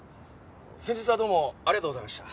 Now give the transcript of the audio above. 先日はどうもありがとうございました。